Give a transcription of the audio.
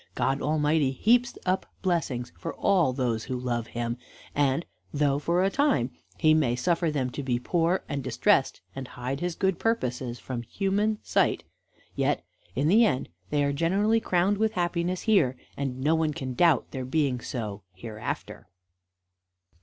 God Almighty heaps up blessings for all those who love him, and though for a time he may suffer them to be poor, and distressed, and hide his good purposes from human sight, yet in the end they are generally crowned with happiness here, and no one can doubt their being so hereafter.